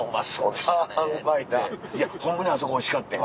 「ホンマにあそこおいしかってん」。